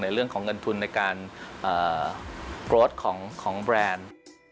เรื่องของเงินทุนในการโปรดของแบรนด์